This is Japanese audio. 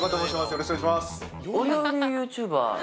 よろしくお願いします。